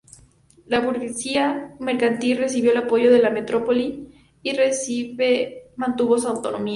La burguesía mercantil recibió el apoyo de la metrópoli, y Recife mantuvo su autonomía.